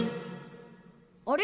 あれ？